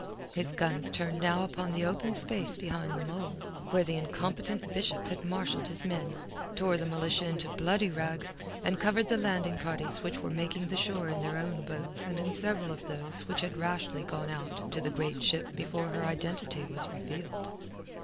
His guns turned now upon the open space behind the mole, where the incompetent Bishop had marshalled his men, tore the militia into bloody rags, and covered the landing parties which were making the shore in their own boats and in several of those which had rashly gone out to the great ship before her identity was revealed.